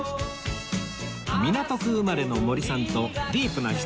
港区生まれの森さんとディープな下町を巡る旅